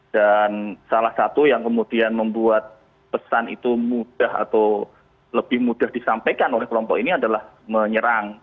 dan salah satu yang kemudian membuat pesan itu mudah atau lebih mudah disampaikan oleh kelompok ini adalah menyerang